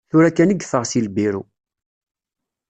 Tura kan i yeffeɣ si lbiru.